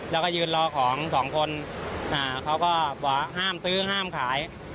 แล้วก็ยืนรอของสองคนเขาก็บอกห้ามซื้อห้ามขาย